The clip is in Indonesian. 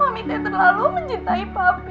mami teh terlalu mencintai papi